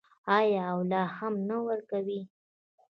آیا او لا هم نه ورکوي؟